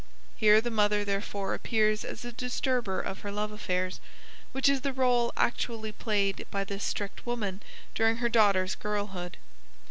Here the mother, therefore, appears as a disturber of her love affairs, which is the rôle actually played by this strict woman during her daughter's girlhood.